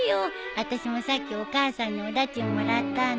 あたしもさっきお母さんにお駄賃もらったんだ。